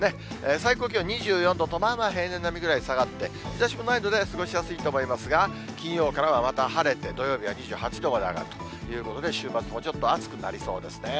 最高気温２４度と、まあまあ平年並みぐらい下がって、日ざしもないので過ごしやすいと思いますが、金曜からはまた晴れて、土曜日は２８度まで上がるということで、週末もちょっと暑くなりそうですね。